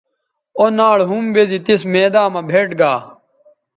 او ناڑ ھم بیزی تس میداں مہ بھیٹ گا